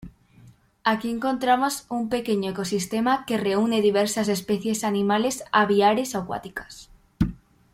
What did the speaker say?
Aquí encontramos un pequeño ecosistema que reúne diversas especies animales aviares acuáticas.